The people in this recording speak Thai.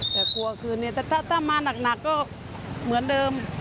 แต่กลัวคืนนี้แต่ถ้ามาหนักก็เหมือนเดิม